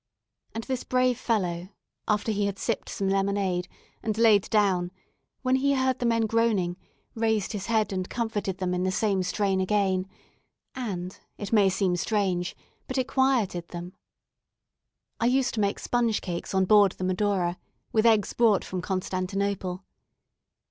And this brave fellow, after he had sipped some lemonade, and laid down, when he heard the men groaning, raised his head and comforted them in the same strain again; and, it may seem strange, but it quieted them. I used to make sponge cakes on board the "Medora," with eggs brought from Constantinople.